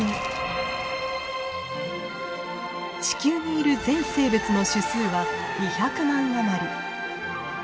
地球にいる全生物の種数は２００万余り。